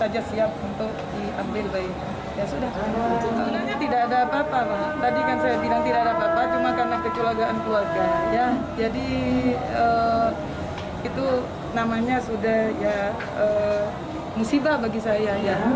jadi itu namanya sudah ya musibah bagi saya